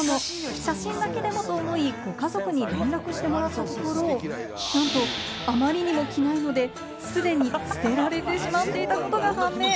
写真だけでもと思い、ご家族に連絡してもらったところ、なんと、あまりにも着ないので、すでに捨てられてしまっていたことが判明。